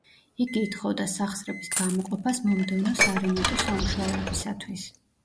იგი ითხოვდა სახსრების გამოყოფას მომდევნო სარემონტო სამუშაოებისათვის.